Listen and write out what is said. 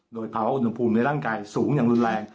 โดยภาวะอุณหภูมิในร่างกายสูงอย่างรุนแรง